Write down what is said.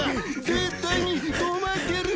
絶対に泊まってやる。